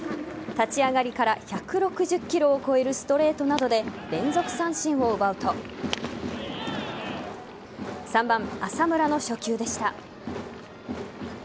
立ち上がりから１６０キロを超えるストレートなどで連続三振を奪うと３番・浅村の初球でした。